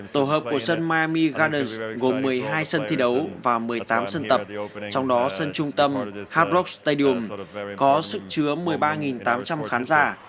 tổ hợp của sân miami gardens gồm một mươi hai sân thi đấu và một mươi tám sân tập trong đó sân trung tâm hard rock stadium có sức chứa một mươi ba tám trăm linh khán giả